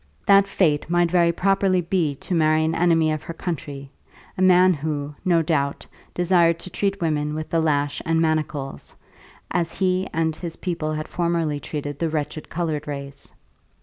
That fate might very properly be to marry an enemy of her country, a man who, no doubt, desired to treat women with the lash and manacles, as he and his people had formerly treated the wretched coloured race.